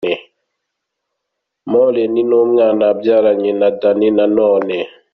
Moreen n'umwana yabyaranye na Danny Nanone .